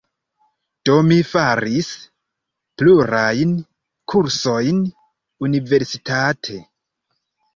Do mi faris plurajn kursojn universitate.